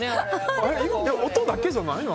音だけじゃないの？